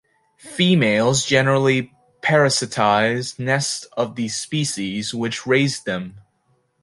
Females generally parasitize nests of the species which raised them.